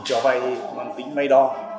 cho vay mang tính may đo